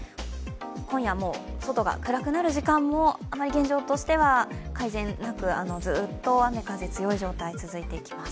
今夜、外が暗くなる時間もあまり改善せずずっと雨・風、強い状態が続いていきます。